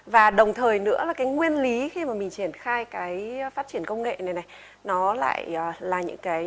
và đồng thời nữa là cái nguyên lý khi mà mình triển khai cái phát triển công nghệ này này